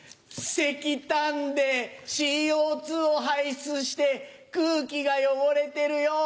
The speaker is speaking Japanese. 石炭でＣＯを排出して空気が汚れてるよ。